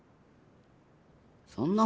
そんなん